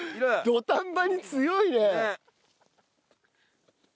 土壇場に強いね！